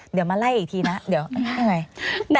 เดี๋ยวมาไล่อีกทีนะเดี๋ยวยังไง